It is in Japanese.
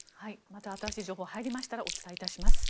また新しい情報が入りましたらお伝えします。